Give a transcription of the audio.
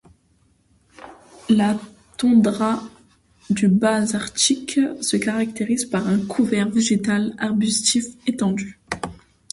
La toundra du Bas-Arctique se caractérise par un couvert végétal arbustif étendu.